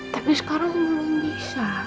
tapi sekarang belum bisa